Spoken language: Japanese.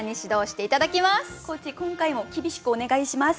今回も厳しくお願いします。